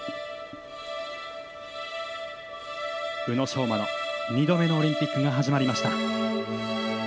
宇野昌磨の２度目のオリンピック始まりました。